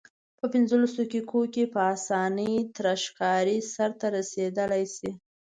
په پنځلس دقیقو کې په اسانۍ تراشکاري سرته رسیدلای شي.